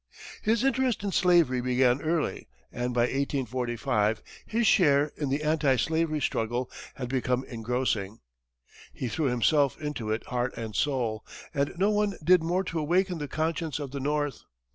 His interest in slavery began early, and by 1845, his share in the anti slavery struggle had become engrossing. He threw himself into it heart and soul, and no one did more to awaken the conscience of the north.